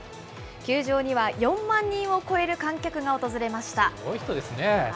球場には４万人を超える観客が訪れました。